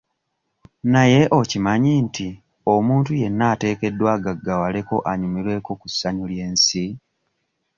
Naye okimanyi nti omuntu yenna ateekeddwa agaggawaleko anyumirweko ku ssanyu ly'ensi?